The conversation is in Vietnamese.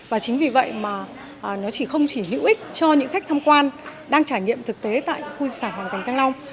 và chính vì vậy mà nó chỉ không chỉ hữu ích cho những khách tham quan đang trải nghiệm thực tế tại khu sản hoàng thành thăng long